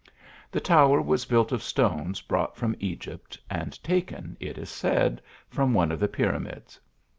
The tower was built of stones brought from Egypt, and taken, it is said, from one of the Pyramids.